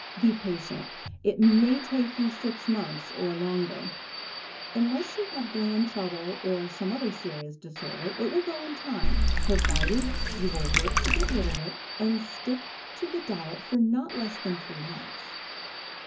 Be patient; it may take you six months or longer. Unless you have gland trouble or some other serious disorder it will go in time, provided you will work to get rid of it and stick to the diet for not less than three months.